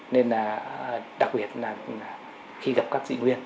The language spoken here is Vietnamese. nên là đặc biệt là khi gặp các dị viên